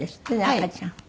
赤ちゃん。